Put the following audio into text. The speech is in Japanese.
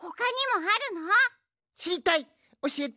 しりたいおしえて！